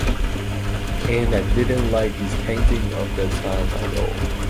And i didn’t like his painting of that time at all.